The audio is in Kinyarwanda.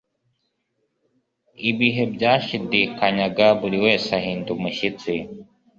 ibihe byashidikanyaga; buri wese ahinda umushyitsi